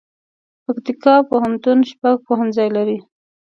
پکتیکا پوهنتون شپږ پوهنځي لري